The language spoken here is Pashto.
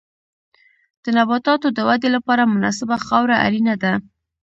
د نباتاتو د ودې لپاره مناسبه خاوره اړینه ده.